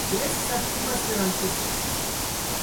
Li estis aktiva esperantisto.